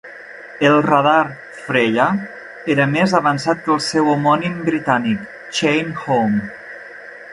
El radar "Freya" era més avançat que el seu homònim britànic, Chain Home.